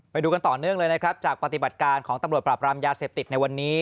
ไปดูกันต่อเนื่องเลยนะครับจากปฏิบัติการของตำรวจปราบรามยาเสพติดในวันนี้